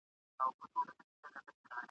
څوک سپین ږیري وه د ښار څوک یې ځوانان ول ..